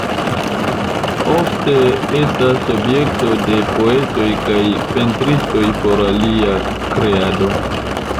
Ofte estas objekto de poetoj kaj pentristoj por ilia kreado.